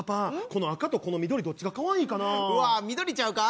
この赤とこの緑どっちがかわいいかなうわ緑ちゃうか？